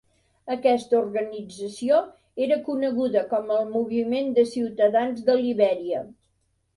Aquesta organització era coneguda com el moviment de ciutadans de Libèria.